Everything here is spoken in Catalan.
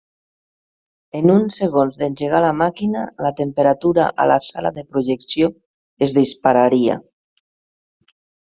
En uns segons d'engegar la màquina, la temperatura a la sala de projecció es dispararia.